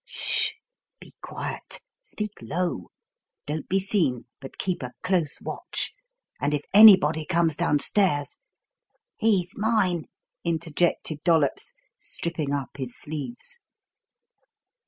"Sh h h! Be quiet speak low. Don't be seen, but keep a close watch; and if anybody comes downstairs " "He's mine!" interjected Dollops, stripping up his sleeves.